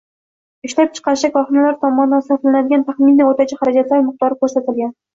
ishlab chiqarishda korxonalar tomonidan sarflanadigan taxminiy o‘rtacha xarajatlar miqdori ko‘rsatilgan.